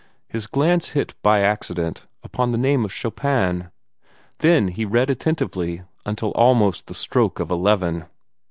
His glance hit by accident upon the name of Chopin. Then he read attentively until almost the stroke of eleven.